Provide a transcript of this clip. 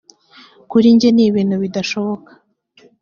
kuri jye ni ibintu bidashoboka